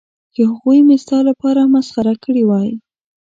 چې هغوی مې ستا لپاره مسخره کړې وای.